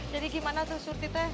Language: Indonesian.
jadi gimana tuh surti t